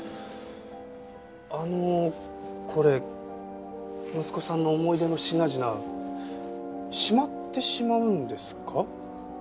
あのこれ息子さんの思い出の品々しまってしまうんですか？